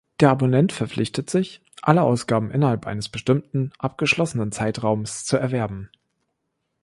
Der Abonnent verpflichtet sich, alle Ausgaben innerhalb eines bestimmten abgeschlossenen Zeitraumes zu erwerben.